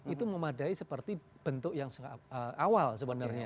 itu memadai seperti bentuk yang awal sebenarnya